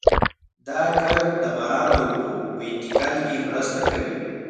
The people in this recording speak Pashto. دا کرب د باران د اوبو په انتقال کې مرسته کوي